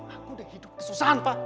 aku udah hidup kesusahan pak